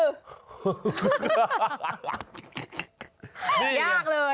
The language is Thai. ภาพสังคมภิษฐ์คือ